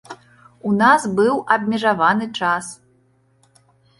У нас быў абмежаваны час.